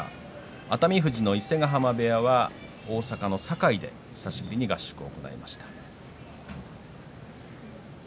熱海富士の伊勢ヶ濱部屋は大阪の堺で久しぶりに合宿をしました。